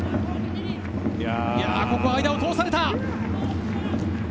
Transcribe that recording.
ここは間を通された。